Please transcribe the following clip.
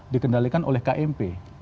dikendalikan oleh kmp